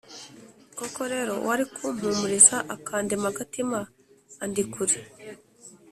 koko rero uwari kumpumuriza akandema agatima, andi kure.